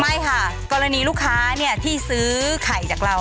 ไม่ค่ะกรณีลูกค้าที่ซื้อไข่จากเรา